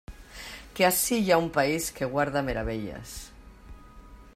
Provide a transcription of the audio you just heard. Que ací hi ha un país que guarda meravelles.